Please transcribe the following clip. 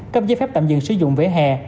cấp giấy phép tạm dừng sử dụng vỉa hè